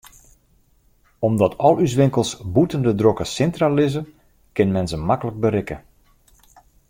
Omdat al ús winkels bûten de drokke sintra lizze, kin men se maklik berikke.